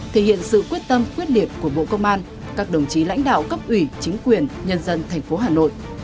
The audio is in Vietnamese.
thể hiện sự quyết tâm quyết liệt của bộ công an các đồng chí lãnh đạo cấp ủy chính quyền nhân dân thành phố hà nội